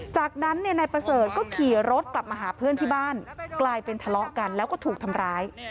จากนั้นนายประเสริฐก็ขี่รถกลับมาหาเพื่อนที่บ้านกลายเป็นทะเลาะกันแล้วก็ถูกทำร้าย